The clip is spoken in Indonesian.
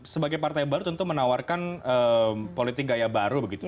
sebagai partai baru tentu menawarkan politik gaya baru begitu